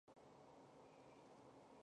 街道办事处所在地为棚下岭。